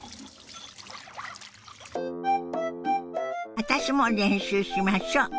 私も練習しましょ。